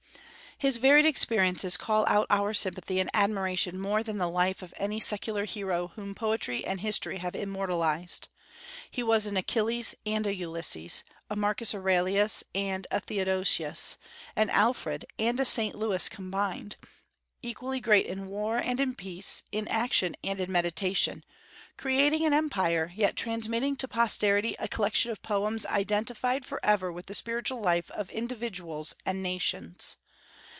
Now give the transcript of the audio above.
His varied experiences call out our sympathy and admiration more than the life of any secular hero whom poetry and history have immortalized. He was an Achilles and a Ulysses, a Marcus Aurelius and a Theodosius, an Alfred and a Saint Louis combined; equally great in war and in peace, in action and in meditation; creating an empire, yet transmitting to posterity a collection of poems identified forever with the spiritual life of individuals and nations.